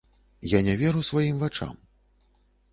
Я не веру сваім вачам.